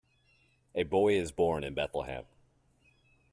A boy is born in Bethlehem.